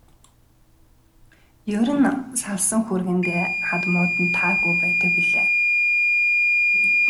Ер нь салсан хүргэндээ хадмууд нь таагүй байдаг билээ.